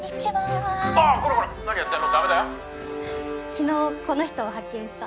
昨日この人を発見した。